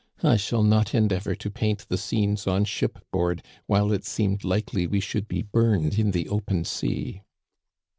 I shall not endeavor to paint the scenes on shipboard while it seemed likely we should be burned in the open sea.